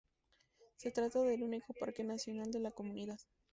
Se trata del único parque nacional de la comunidad.